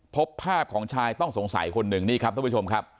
พบภาพของชายต้องสงสัยคนหนึ่งนี่ครับท่านผู้ชมครับ